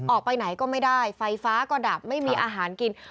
ออกไปไหนก็ไม่ได้ไฟฟ้าก็ดับไม่มีอาหารกิน